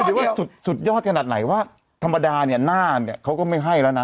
ดูว่าสุดยอดขนาดไหนว่าธรรมดาเนี่ยหน้าเนี่ยเขาก็ไม่ให้แล้วนะ